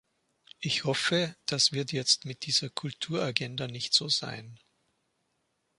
Ich hoffe, das wird jetzt mit dieser Kulturagenda nicht so sein.